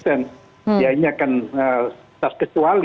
ini akan terkesuali